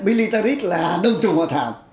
militaris là đông trùng hạ thảo